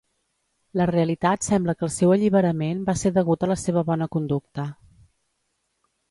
La realitat sembla que el seu alliberament va ser degut a la seva bona conducta.